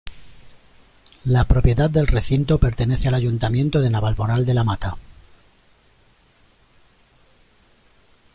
La propiedad del recinto pertenece al Ayuntamiento de Navalmoral de la Mata.